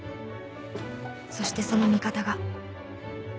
そしてその味方が